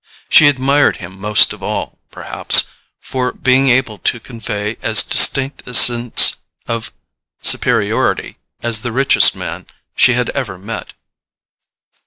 She admired him most of all, perhaps, for being able to convey as distinct a sense of superiority as the richest man she had ever met.